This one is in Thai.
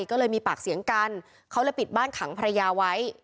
ก็เลยมีปากเสียงกันเขาเลยปิดบ้านขังภรรยาไว้